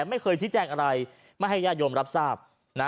ไม่เคยที่แจ้งอะไรไม่ให้ญาติโยมรับทราบนะ